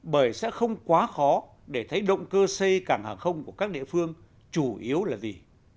bởi sẽ không quá khó để thấy động cơ xây cảng hàng không của các địa phương chủ yếu là gì